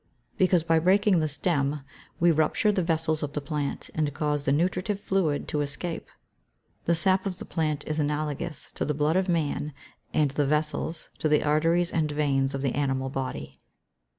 _ Because, by breaking the stem, we rupture the vessels of the plant, and cause the nutritive fluid to escape. The sap of the plant is analogous to the blood of man, and the vessels, to the arteries and veins of the animal body.